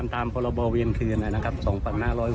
นะครับเครื่องวิทยาวโรงแรม